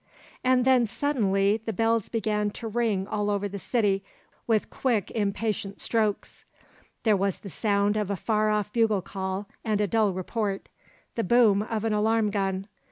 And then suddenly the bells began to ring all over the city with quick impatient strokes. There was the sound of a far off bugle call and a dull report, the boom of an alarm gun.